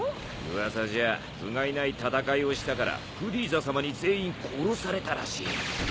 噂じゃふがいない戦いをしたからフリーザさまに全員殺されたらしい。